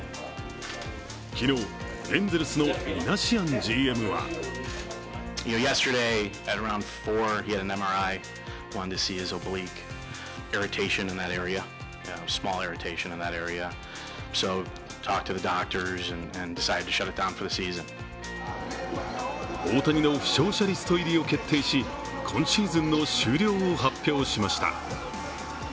昨日、エンゼルスのミナシアンＧＭは大谷の負傷者リスト入りを決定し、今シーズンの終了を発表しました。